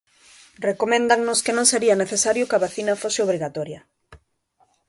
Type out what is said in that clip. Recoméndannos que non sería necesario que a vacina fose obrigatoria.